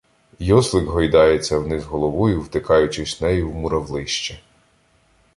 Йослик гойдається вниз головою, втикаючись нею в муравлище.